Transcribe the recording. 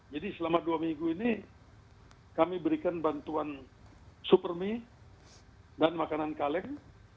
jadi selama dua minggu ini kami berikan bantuan super mie dan makanan kaleng